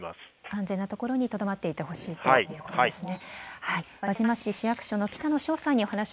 安全な所にとどまってほしいということことですね。